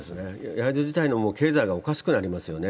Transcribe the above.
焼津自体の経済がおかしくなりますよね。